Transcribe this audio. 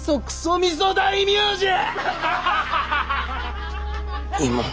みそ大名じゃ。